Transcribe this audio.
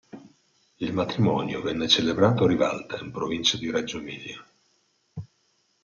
Il matrimonio venne celebrato a Rivalta, in provincia di Reggio Emilia.